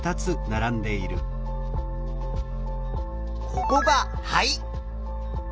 ここが肺。